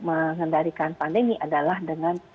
mengendarikan pandemi adalah dengan